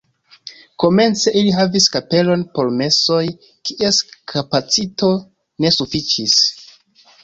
Komence ili havis kapelon por mesoj, kies kapacito ne sufiĉis.